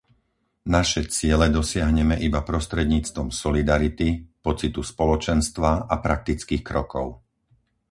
Naše ciele dosiahneme iba prostredníctvom solidarity, pocitu spoločenstva a praktických krokov.